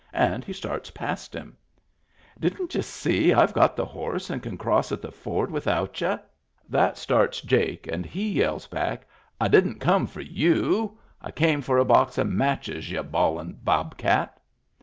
And he starts past him. " Didn't y'u see I've got the horse and can cross at the ford without y'u ?" That starts Jake and he yells back :" I didn't come for you ; I came for a box of matches, y'u bawlin' bobcat."